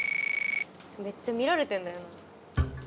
めっちゃ見られてんだよね。